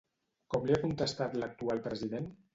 Com li ha contestat l'actual president?